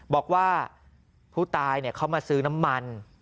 บอกว่าผู้ตายเขามาซื้อน้ำมัน